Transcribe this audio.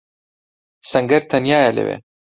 سەنگەر تەنیایە لەوێ.